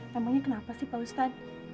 temanya kenapa sih pak ustadz